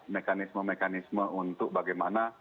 mekanisme mekanisme untuk bagaimana